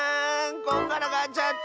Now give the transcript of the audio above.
こんがらがっちゃった。